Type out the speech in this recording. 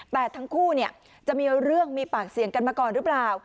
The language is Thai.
แต่ทั้งคู่จะมีเรื่องมีปากเสียงกันมาก่อนหรือเปล่า